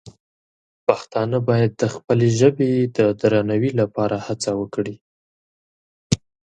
پښتانه باید د خپلې ژبې د درناوي لپاره هڅه وکړي.